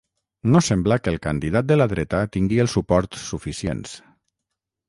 No sembla que el candidat de la dreta tingui els suports suficients